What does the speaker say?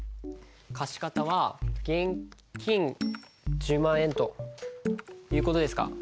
貸方は現金１０万円という事ですか？